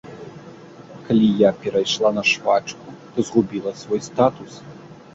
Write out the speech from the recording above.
Калі я перайшла на швачку, то згубіла свой статус.